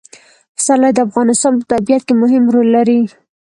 پسرلی د افغانستان په طبیعت کې مهم رول لري.